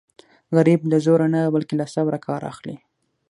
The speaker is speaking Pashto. غریب له زوره نه بلکې له صبره کار اخلي